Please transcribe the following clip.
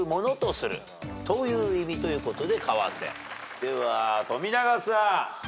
では富永さん。